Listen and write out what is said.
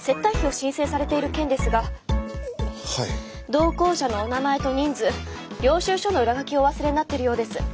同行者のお名前と人数領収書の裏書きをお忘れになってるようです。